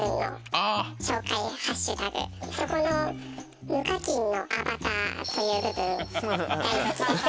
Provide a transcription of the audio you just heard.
そこの「無課金のアバター」という部分。